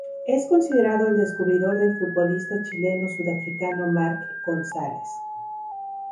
Es considerado el descubridor del futbolista chileno-sudafricano Mark González.